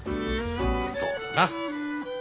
そうだな。